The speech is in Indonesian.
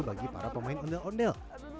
bagi para pemain ondel ondel